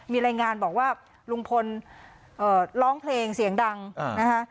มีรายงานบอกว่าลุงพลร้องเพลงเสียงดังนะคะ